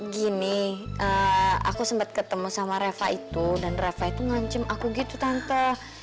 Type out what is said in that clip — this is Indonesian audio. gini aku sempat ketemu sama reva itu dan rafa itu ngancem aku gitu tante